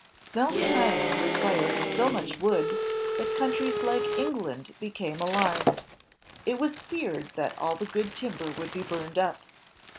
Smelting iron required so much wood that countries like England became alarmed. It was feared that all the good timber would be burned up.